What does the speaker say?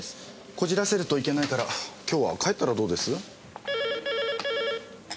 こじらせるといけないから今日は帰ったらどうです？